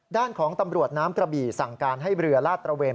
ด้านของตำรวจน้ำกระบี่สั่งการให้เรือลาดตระเวน